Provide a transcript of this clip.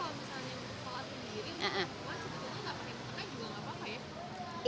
muka sebetulnya tidak pakai mukena juga tidak apa apa ya